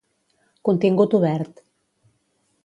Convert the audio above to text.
Contingut obert.